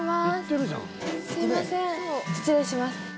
失礼します。